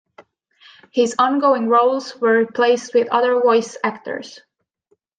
His ongoing roles were replaced with other voice actors.